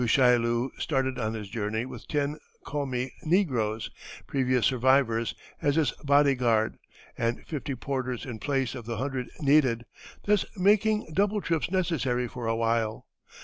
] Du Chaillu started on his journey with ten Commi negroes, previous servitors, as his body guard, and fifty porters in place of the hundred needed, thus making double trips necessary for a while.